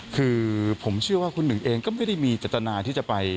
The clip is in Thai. คือผมเชื่อว่าคุณหนึ่งเองก็ไม่ได้มีเจตนาที่จะไป